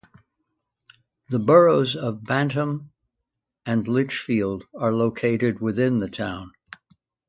The boroughs of Bantam and Litchfield are located within the town.